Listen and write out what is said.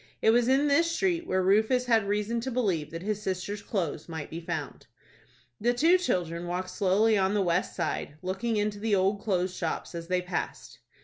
It was in this street where Rufus had reason to believe that his sister's clothes might be found. The two children walked slowly on the west side, looking into the old clothes shops, as they passed.